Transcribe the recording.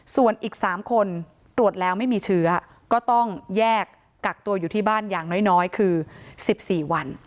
ส่วนอีก๓คนตรวจแล้วไม่มีเชื้อก็ต้องแยกกักตัวอยู่ที่บ้านอย่างน้อยคือ๑๔วัน